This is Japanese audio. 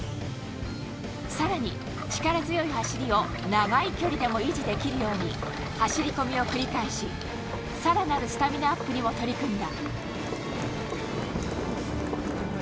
さらに力強い走りを長い距離でも維持できるように走り込みを繰り返し、さらなるスタミナアップにも取り組んだ。